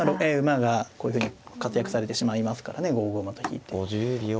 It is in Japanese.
ええ馬がこういうふうに活躍されてしまいますからね５五馬と引いて。